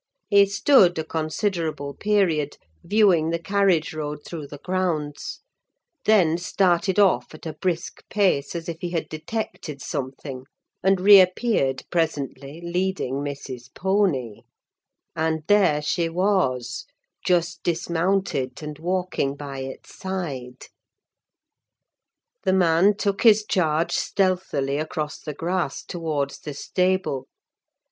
He stood a considerable period, viewing the carriage road through the grounds; then started off at a brisk pace, as if he had detected something, and reappeared presently, leading Miss's pony; and there she was, just dismounted, and walking by its side. The man took his charge stealthily across the grass towards the stable.